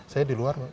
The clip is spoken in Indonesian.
saya di luar